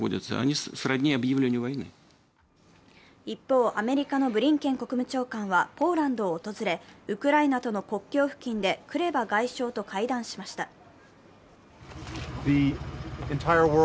一方、アメリカのブリンケン国務長官はポーランドを訪れウクライナとの国境付近でクレバ外相と会談しました。